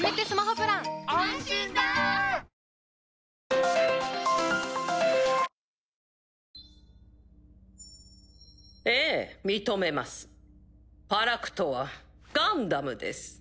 ファラクトはガンダムです。